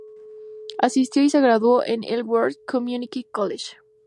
Asistió y se graduó en Ellsworth Community College.